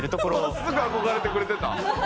真っすぐ憧れてくれてた？